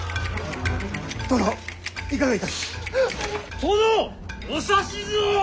殿！お指図を！